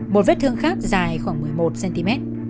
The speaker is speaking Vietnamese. một vết thương khác dài khoảng một mươi một cm